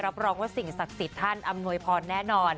รับรองว่าสิ่งศักดิ์สิทธิ์ท่านอำนวยพรแน่นอน